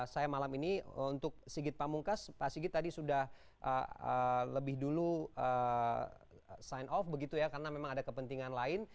saya malam ini untuk sigit pamungkas pak sigit tadi sudah lebih dulu sign off begitu ya karena memang ada kepentingan lain